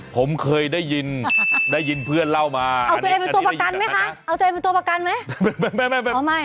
ผมเคยได้ยินได้ยินเพื่อนเล่ามาเอาตัวเองเป็นตัวประกันไหมคะเอาตัวเองเป็นตัวประกันไหม